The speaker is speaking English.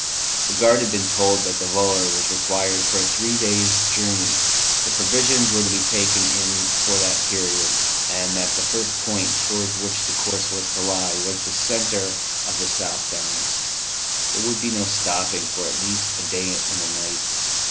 The guard had been told that the volor was required for a three days' journey, that provisions were to be taken in for that period, and that the first point towards which the course was to lie was the centre of the South Downs. There would be no stopping for at least a day and a night.